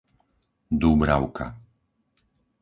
Dúbravka